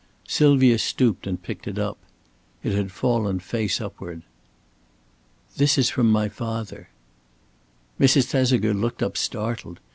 Sylvia stooped and picked it up. It had fallen face upward. "This is from my father." Mrs. Thesiger looked up startled.